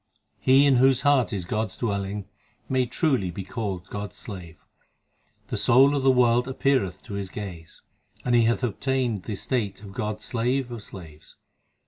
6 He in whose heart is God s dwelling, May truly be called God s slave. The soul of the world appeareth to his gaze, And he hath obtained the state of God s slave of slaves.